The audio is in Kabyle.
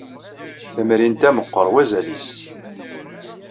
Tamrint-a meqqer wazal-is.